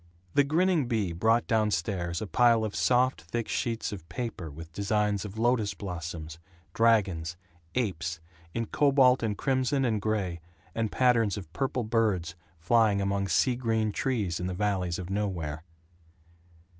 The grinning Bea brought down stairs a pile of soft thick sheets of paper with designs of lotos blossoms, dragons, apes, in cobalt and crimson and gray, and patterns of purple birds flying among sea green trees in the valleys of Nowhere.